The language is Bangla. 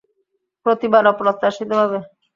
প্রতিবার অপ্রত্যাশিত ভাবে।